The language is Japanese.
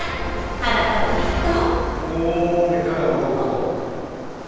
あなたもきっと。